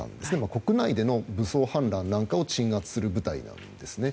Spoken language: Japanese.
国内での武装反乱なんかを鎮圧する部隊なんですね。